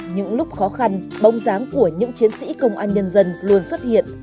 những lúc khó khăn bóng dáng của những chiến sĩ công an nhân dân luôn xuất hiện